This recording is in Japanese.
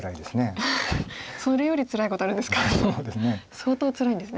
相当つらいんですね。